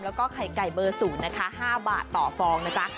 แล้วก็ไข่ไก่เบอร์๐นะคะ๕บาทต่อฟองนะจ๊ะ